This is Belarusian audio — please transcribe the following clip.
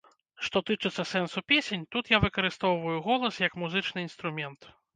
Што тычыцца сэнсу песень, тут я выкарыстоўваю голас як музычны інструмент.